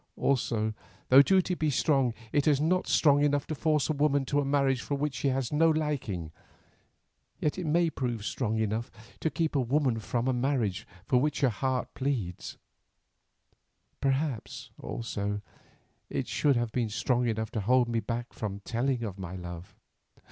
Also, though duty be strong, it is not strong enough to force a woman to a marriage for which she has no liking. Yet it may prove strong enough to keep a woman from a marriage for which her heart pleads—perhaps, also, it should have been strong enough to hold me back from the telling of my love."